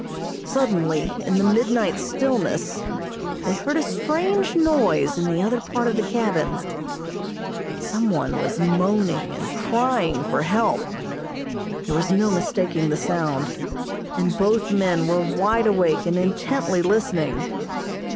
Suddenly, in the midnight stillness they heard a strange noise in the other part of the cabin. Some one was moaning and crying for help. There was no mistaking the sound, and both men were wide awake and intently listening.